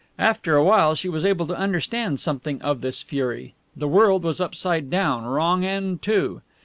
After a while she was able to understand something of this fury. The world was upside down, wrong end to.